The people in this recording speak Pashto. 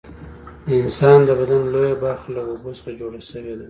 د انسان د بدن لویه برخه له اوبو څخه جوړه شوې ده